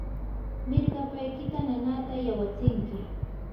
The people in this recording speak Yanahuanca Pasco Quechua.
mirkapaykita nanaata yawatsinki.